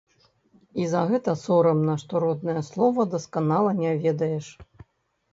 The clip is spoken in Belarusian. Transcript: І за гэта сорамна, што роднае слова дасканала не ведаеш.